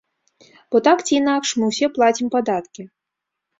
Бо так ці інакш мы ўсе плацім падаткі.